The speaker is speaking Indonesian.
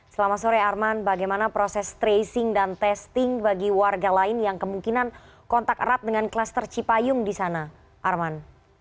selama sore arman bagaimana proses tracing dan testing bagi warga lain yang kemungkinan kontak erat dengan kluster cipayung di sana arman